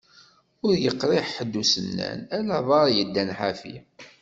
Ur yeqriḥ ḥedd usennan, ala aḍar yeddan ḥafi.